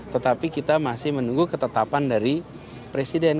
tetapi kita masih menunggu ketetapan dari presiden